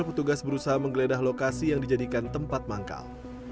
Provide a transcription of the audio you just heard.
petugas berusaha menggeledah lokasi yang dijadikan tempat manggal